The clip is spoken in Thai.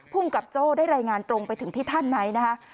ภูมิกับโจ้ได้รายงานตรงไปถึงที่ท่านไหมนะคะ